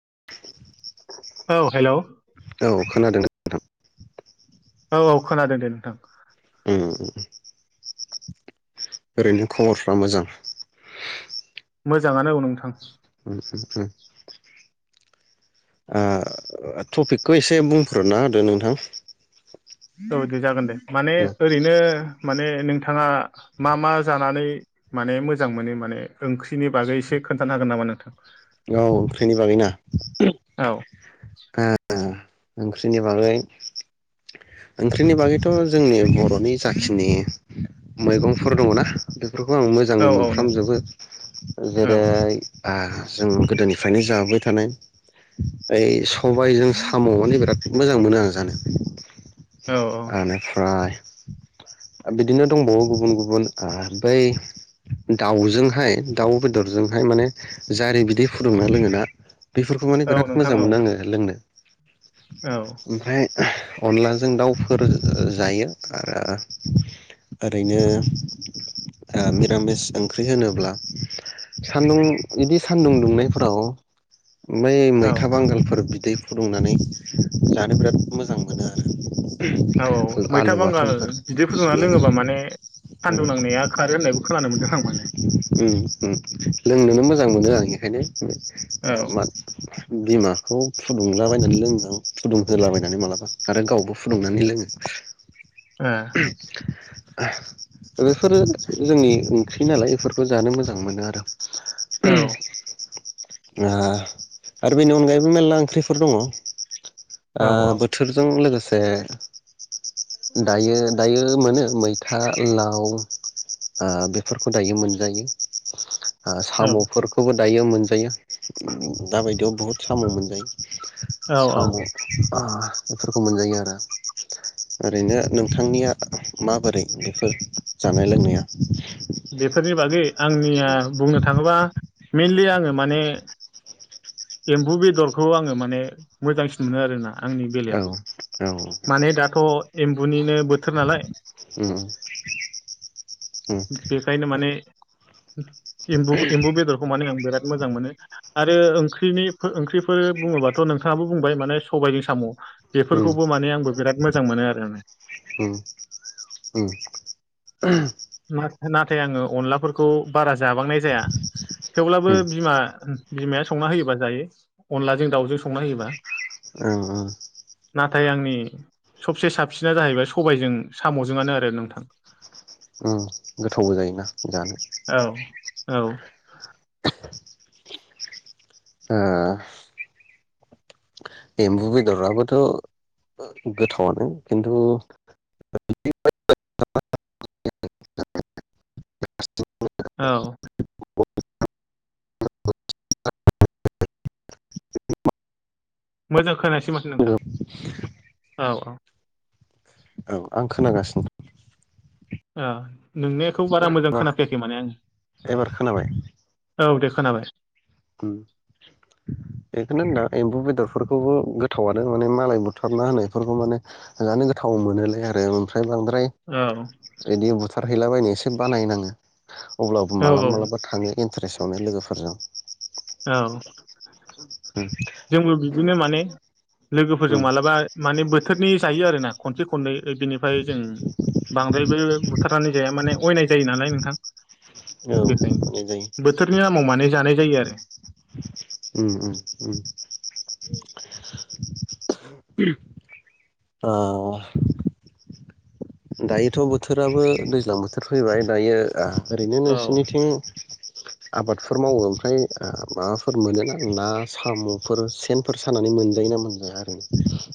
[inaudible] औ हेल' औ [unintelligible] औ औ खोनादों दे नोंथां। उम उम ओरैनो खबरफ्रा मोजां? मोजाङानो औ नोंथां उम उम आ टपिकखौ एसे बुंफोरना होदो नोंथां औ दे जागोन दे माने उम ओरैनो माने नोंथाङा मा मा जानानै माने मोजां मोनो माने ओंख्रिनि बागै एसे खोन्थानो हागोन नामा नोंथां औ ओंख्रिनि बागैना औ [unintelligible] ओंख्रिनि बागै ओंख्रिनि बागैथ' जोंनि बर'नि जाखिनि मैगंफोर दङना बेफोरखौ आं मोजां औ औ नोंथां मोनफ्रामजोबो औ जेरै बा जों गोदोनिफ्रायनो जाबोबाय थानाय ओइ सबाइजों साम' माने बिराद मोजां मोनो आं जानो औ आनिफ्राय बिदिनो दंबावो गुबुन गुबुन ओ बै दाउजोंहाय दाउ बेदरजोंहाय माने जारि बिदै फुदुंना लोङोना बेफोरखौ माने औ बिराद नोंथां मोजां औ मोनो आङो नो औ ओमफ्राय अनलाजों दाउफोर जायो आरो ओरैनो ओ मिरामिस ओंख्रि होनोब्ला सानदुं बिदि सान्दुं दुंनायफोराव बै औ मैथा बांगालफोर बिदै फुदुंनानै जानो बिराद मोजां मोनो औ औ आरो मैथा आलु बांगाल बाथोनफोर बिदै फुदुंना सिफ्लेनानै लोङोबा माने सान्दुं उम नांनाया खारो होननायबो खोनानो मोन्दों आं माने उम उम लोंनोनो मोजां मोनो बेनो औ [unintelligible] बिमाखौ फुदुंलाबायनानै लोङो फुदुंहोलाबायनानै मालाबा आरो गावबो फुदुंनानै लोङो ओ आ दा बेफोरो जोंनि ओंख्रि नालाय बेफोरखौ जानो मोजां मोनो आरो ओ [inaudible] आ आरो बेनि अनगायैबो मेलला ओंख्रिफोर दङ ओ औ बोथोरजों लोगो से दायो दायो मोनो मै था लाव ओ बेफोरखौ दायो मोनजायो ओ औ साम'फोरखौबो जायो मोनजायो। दा बायदियाव बहुत खामानि मोनो। औ औ साम' बेफोरखौ मोनजायो आरो ओरैनो नोंथांनिया माबोरै बेफोर जानाय-लोंनाया? बेफोरनि बागै आंनिया बुंनो थाङोबा मेनलि आं माने एम्बु बेदरखौ आङो माने मोजांसिन मोनो आरोना। आंनि औ औ बेलायाव उम उम माने दाथ'। एम्बुनिनो। बोथोर नालाय उम बेखायनो माने एम्बुखो एम्बु बेदरखौ माने आं बिराद मोजां मोनो। आरो ओं ओंख्रिनि ओंख्रिफोर बुङोब्लाथ' नोंथाङाबो बुंबाय माने सबायजों साम' बेफोरखौबो उम माने आंबो बिराद मोजां मोनो आरो माने। उम नाथाय आङो अनलाफोरखौ बारा। जाबांनाय जाया थेवब्लाबो उम बिमा बिमाया संना होयोबा जायो अनलाजों दाउजों संना होयोबा। औ औ। नाथाय आंनि सबसे साबसिना जाहैबाय सबायजों साम'जोंआनो आरो नोंथां। उम गोथावबो जायोना। औ औ [inaudible] ओ एम्बु बेदराबोथ' गोथावनो खिन्थु [unintelligible] [unintelligible] औ मोजां खोनायासै माथो नोंथां? औ [inaudible] औ आं खोनागासिनो। ओ नोंनिखौ बारा मोजां खोनाफैयाखै माने आं एबार खोनाबाय औ दे। खोनाबाय। बेखौनो होन दा एम्बु बेदरफोरखौबो गोथावनो माने मालाय बुथारना होनायफोरखौ मोनो गोथाव मोनोलाय आरो। बांद्राय बांद्राय औ बिदिनो बु [unintelligible] खारहैलाबायनो एसे बानायनाङो। अब्लाबो औ मालाबा औ मालाबा थाङो। इन्टारेसआवनो लोगोफोरजों। औ औ जोंबो बिदिनो माने लोगोफोरजों उम मालाबा माने बोथोरनि जायो आरोना खनसे खननै बिनिफ्राय जों बांद्रायबो बुथारनानै जाया माने अयनाय जायो नालाय नोंथां औ जायो बेखायनो बोथोरनि आमाव माने जानाय जायो आरो उम उम ओ दायोथ' बोथोराबो दैज्लां बोथोर फैबाय दायो ओरैनो औ नोंसिरनिथिं आबाद फोर मावो ओमफ्राय माबाफोर मोनोना ना साम'फोर सेनफोर सानानै मोनजायोना मोनजाया आरो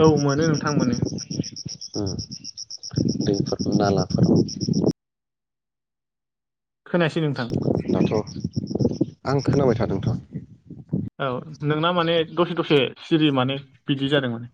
औ मोनो नोंथां मोनो उम दै नालाफोर खोनायासै नोंथां दाथ' आं खोनाबाय थादोंथ' औ नोंना माने दसे दसे सिरि माने बिदि जादों माने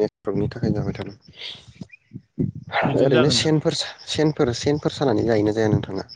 नेटवर्कनि थाखाय जाबाय थादों बिदिनो ओरैनो जागोनदां सेनफोर सेनफोर सेनफोर सानानै जायोना जाया नोंथां थाङा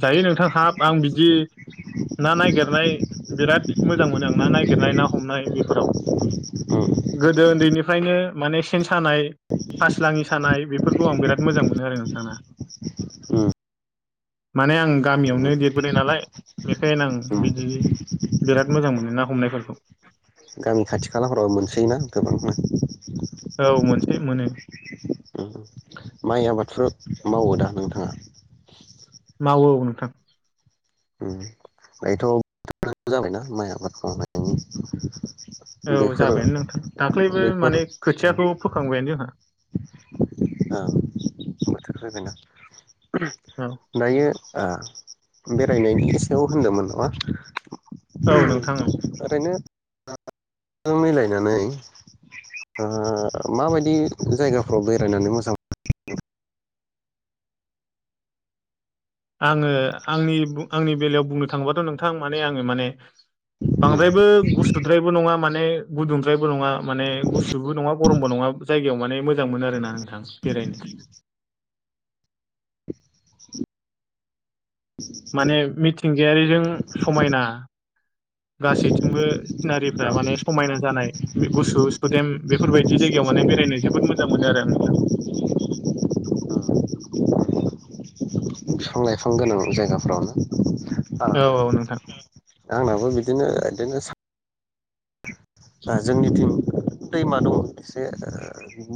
जायो नोंथां हाब आं बिदि ना नागिरनाय बिराद मोजां मोनो आं ना नागिरनाय ना हरनाय बेफोराव उम गोदोओन्दैनिफ्रायनो माने सेन सानाय फासलाङि सानाय बेफोरखौ आं बिराज मोजा मोनो नोंथा उम माने आं गामियावनो उम देरबोदों नालाय बेखायनो आं उम बिदि बिराद मोजां मोनो ना हमनायफोरखौ गामि खाथि खालाफोरावो मोनसोयोना गोबांमोन [inaudible] औ मोनसोयो मोनो उम माइ आबादफोर मावो दा नोंथाङा मावो औ नोंथां बेथ' जाबायना माइ आबाद मावनायनि औ बेफोरो जाबायानो नोंथां दाख्लैबो बेफोर माने खोथियाखौ फोखांबायानो जोंहा बोथोर फैबायना औ [inaudible] दायो आ बेरायनायनि सायाव होनदोंमोन नङा औ नोंथां औ ओरैनो मिलायनानै ओ माबायदि जायगाफ्राव बेरायनानै मोजां मोनो [unintelligible] आङो आंनि आंनि बेलायाव बुंनो थाङोबाथ' नोंथां माने आङो माने ओ बांद्रायबो गुसुद्रायबो नङा माने माने गुदुंद्रायबो नङा माने गुसुबो नङा गरम बो नङा जायगायाव माने मोजां मोनो आरोना नोंथां बेरायनो [inaudible] माने मिथिं गायारिजों समायना गासैथिंबो सिनारिफ्रा माने समायना जानाय गुसु सुदेम बेफोरबायदि जायगायाव माने बेरायनो जोबोद मोजां मोनो आरो आं नोंथां बिफां लाइफां गोनां जायगाफोराव ना औ औ नोंथां आंनाबो बिदिनो बिदिनो जोंनिथिं दैमा दङ एसे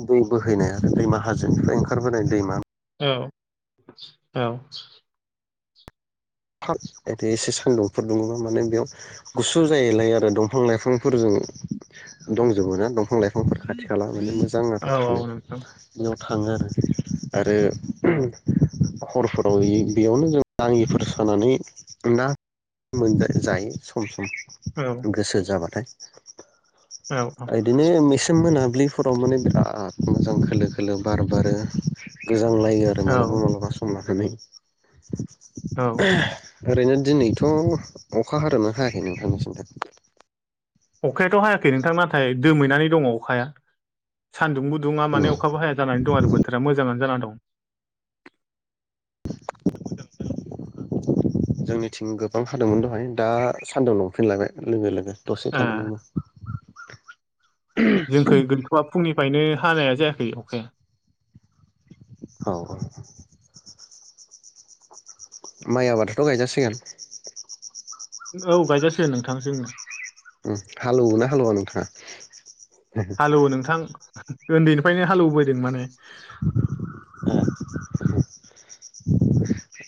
दै बोहैनाय आरो दैमा हाजोनिफ्राय ओंखारबोनाय दैमा औ औ एसे सानदुंफोर दुङोबा माने बेयाव गुसु जायैलाय आरो दंफां लाइफांफोरजों दंजोबो ना दंफां लाइफांफोर खाथि खाला माने मो जां औ थानो औ नोंथां बेयाव थाङो आरो आरो औ हरफोराव होयो बेयावनो जों नाङिफोर खानानै ना मोन जायो सम सम औ गोसो जाबा औ [unintelligible] इदिनो एसे मोना दुब्लिफोराव माने बिराद मोजां खोलो खोलो बार बारो गो जांलायो आरो औ मालाबा मालाबा समाव [unintelligible] औ [unintelligible] ओरैनो दिनैथ' अखा हादोंना हायाखै नोंथांनि थिंजाय अखायाथ' हायाखै नोंथां नाथाय दोमैनानै दङ अखाया सान्दुंबो दुङा उम माने अखाबो हाया जानानै दं आरो बोथोरा मोजाङानो जानानै दं [inaudible] जोंनिथिं गोबां हादोंमोन दहाय दा सान्दुं दुंफिनलायबाय लोगो लोगो दसे ए थानानिनो जोंखै गैथ'आ फुंनि फ्रायनो हानाया जायाखै अखाया औ औ माइ आबादाथ' गायजासिगोन औ गायजासिगोन नोंथां हालौवोना हालौवा नोंथाङा हालौवो नोंथां उन्दैनिफ्रायनो हालेवबोदों माने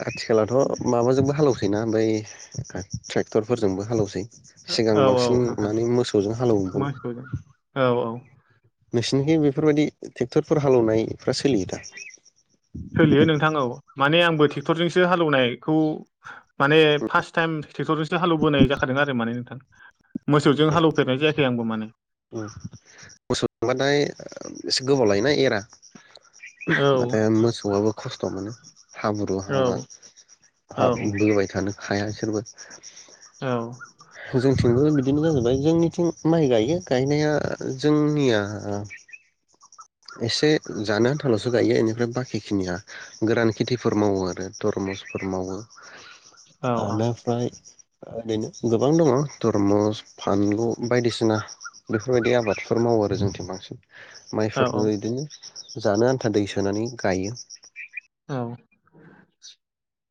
आथिखालावथ' माबाजोंबो हालेवसैना बै ट्रेक्टरफोरजोंबो हालौसै सिगां औ बांसिन औ नोंथां माने मोसौजों हालौवोमोन मोसौजों औ औ नोंसिनिखि बेफोरबायदि ट्रेक्टरफोर हालेवनायफ्रा सोलियो दा सोलियो नोंथां ओ माने आंबो ट्रेक्टरजोंसो हालेवनायखौ माने फार्स्ट टाइम ट्रेक्टरजों हालौबोनाय जाखादों आरो माने मोसौजों हालौफेरनाय जायाखै आंबो माने मोसौ जोंबाथाय एसे गोबाव लायोना एरा औ माथो मोसौआबो खस्थ' मोनो हाब्रु हाला औ औ हाब बोबाय थानो हाया बिसोरबो औ जोंथिंबो बिदिनो जाजोबबाय जोंनिथिं माइ गायो गायनाया जोंनिया एसे जानो आन्थाल'सो गायो बेनिफ्राय बाखिखिनिया गोरान खेथिफोर मावो आरो थरमुसफोर मावो औ आना फ्राय ओरैनो गोबां दङ थरमुस फानलु बायदिसिना बेफोरबायदि आबादफोर मावो आरो जोंथिं बांसिन औ मायफोर होयैदोंङो जानो आन्था दै सोनानै गायो औ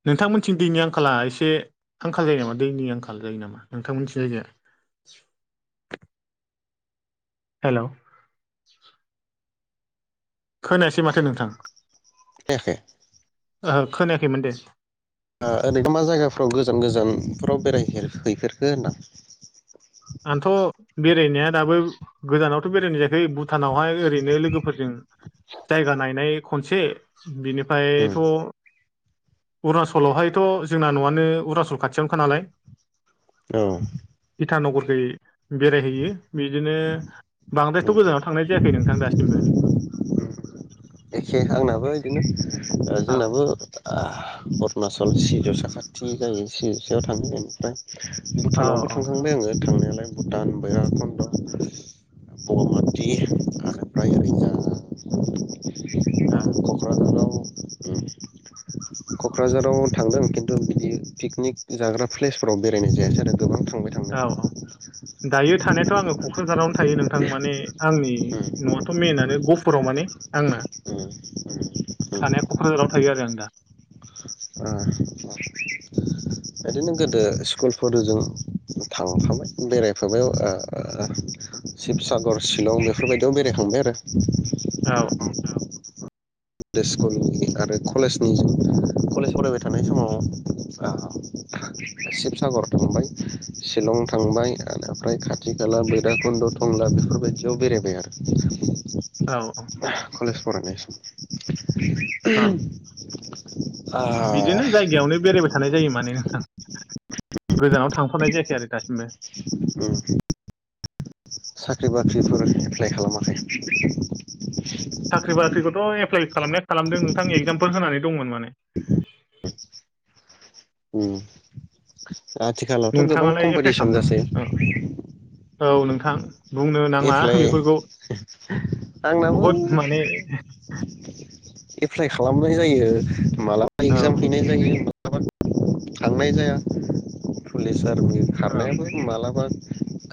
नोंथांमोनथिनि दैनि आंखाला एसे आंखाल जायो नामा दैनि आंखाल जायो नामा नोंथांमोनथिं जायगाया हेल' खोनायासै ए माथो नोंथां खोनायाखै ओहो खोनायाखैमोन दे ओ ओरैनो मा जायगाफ्राव गोजान गोजानफोराव बेराय हैैफेरखो होनदां आंथ' बेरायनाया दाबो गोजानावथ' बेरायनाय जायाखै बु भुटानावहाय ओरैनो लोगोफोरजों जायगा नायनाय खनसे बिनिफ्रायथ' अरुणाचलावहायथ' जोंना न'आनो अरुनाचल खाथियावनोखा नालाय औ इथा नगरखै बेरायहैयो बिदिनो बांद्रायथ' गोजानाव थांनाय जायाखै नोंथां दासिमबो एखे आंनाबो बिदिनो ओ औ जोंनाबो अरुणचल सिजौसा खाथि जायो सिजौसायाव थाङो ओमफ्राय औ भुटानावबो थांखांबाय आङो थां नोंलाय भुटान भैरबकुण्ड बगामाति आरोफ्राय ओरैजा औ उम क'क्राझाराव थांदों खिन्थु बिदि पिकनिक जाग्रा प्लेसफोराव बेरायनाय जायासै आरो गोबां थांबाय औ थांनायालाय औ दायो थानायाथ' आङो क'क्राझारावनो थायो नोंथां माने आंनि न'आथ' मेइनानो गहपुराव माने आंना उम थानाया उम क'क्राझाराव थायो आरो आं दा उम अ बिदिनो गोदो स्कुलफोर जों थांफाबाय बेरायफाबाय ओ शिबसागर शिलं बेफोरबायदियाव बेरायखांबाय आरो औ औ गोदो स्कुलनि आरो कलेजनि कलेज फरायबाय थानाय समाव आ शिबसागर थांबाय शिलं थांबाय ओमफ्राय खाथि खाला भैरकुन्द' टंला बेफोरबायदियाव बेरायबाय आरो औ औ कलेज फरायनाय सम [inaudible] औ होम [inaudible] बिदिनो जायगायावनो बेरायबाय थानाय जायो माने नोंथां गोजानाव थांफानाय जायाखै आरो दासिमबो उम साख्रि बाख्रिफोर एप्लाइ खालामाखै साख्रि बाख्रिखौथ' एप्लाइ खालामनाया खालामदों नोंथां एगजामफोर होनानै दंमोन माने [unintelligible] उम आथिखालावथ' गोबां नोंथाङालाय एप्लाइ कम्पिटिसन खालाम जासै नामा औ औ नोंथां बुंनो नाङा एप्लाइ बेफोरखौ आंनाबो बहुद माने एप्लाइ खालामनाय जायो मालाबा औ इगजाम हैनाय जायो [unintelligible] थांनाय जाया पुलिस आरमि औ खारनायाबो मालाबा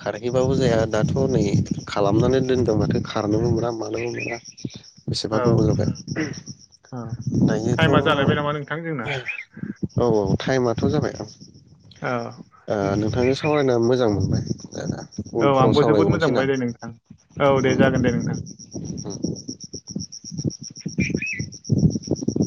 खारहैबाबो जाया दाथ' नै खालामनानै दोनदों माथो खारनोबो मोना मानोबो मोना बेसेबा गोबाव औ जाबाय औ दायोथ' औ टाइमा जालायबाय नामा नोंथां जोंना औ टाइमाथ' जाबाय औ ओ औ नोंथांजों सावरायना मो जां मोनबाय दाना औ आंबो जोबोद मोजां मोनबाय दे नोंथां औ दे उम जागोन दे नोंथां उम [inaudible]